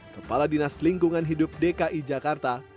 kepala dinas lingkungan hidup dki jakarta